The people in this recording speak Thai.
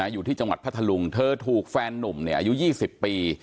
อยู่ที่จังหวัดพัทธลุงเธอถูกแฟนนุ่มอายุ๒๐ปี